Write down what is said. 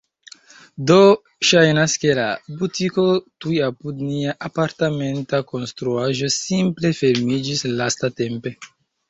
Do, ŝajnas, ke la butiko tuj apud nia apartamenta konstruaĵo simple fermiĝis lastatempe